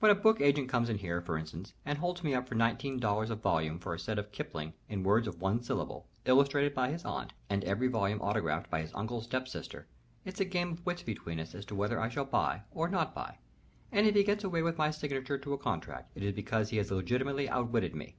When a book agent comes in here, for instance, and holds me up for nineteen dollars a volume for a set of Kipling in words of one syllable, illustrated by his aunt, and every volume autographed by his uncle's step sister, it's a game of wits between us as to whether I shall buy or not buy, and if he gets away with my signature to a contract it is because he has legitimately outwitted me.